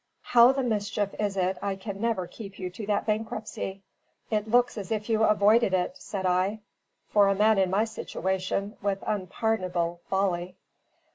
"How the mischief is it I can never keep you to that bankruptcy? It looks as if you avoided it," said I for a man in my situation, with unpardonable folly.